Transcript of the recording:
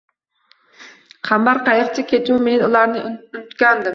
“Qambar qayiqchi, kechuv” – men ularni unutgandim